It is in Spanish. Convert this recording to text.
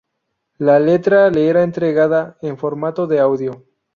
La letra le era entregada en formato de audio.